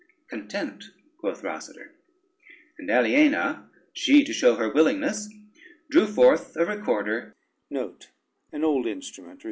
"Content," quoth Rosader, and Aliena, she, to show her willingness, drew forth a recorder, and began to wind it.